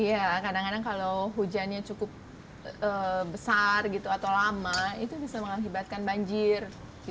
iya kadang kadang kalau hujannya cukup besar gitu atau lama itu bisa mengakibatkan banjir